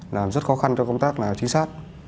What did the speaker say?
làm rất khó khăn trong công tác trinh sát